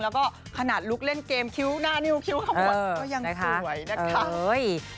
แล้วก็ขนาดลุกเล่นเกมคิ้วหน้านิ้วคิ้วข้างหมดก็ยังสวยนะคะ